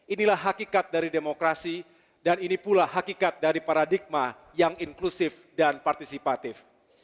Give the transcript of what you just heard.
inilah hakikat dari demokrasi dan ini pula hakikat dari paradigma yang inklusif dan partisipatif